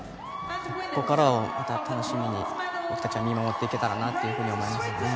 ここからをまた楽しみに僕たちは見守っていけたらなと思います。